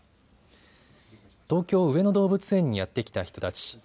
東京上野動物園にやって来た人たち。